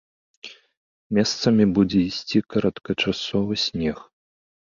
Месцамі будзе ісці кароткачасовы снег.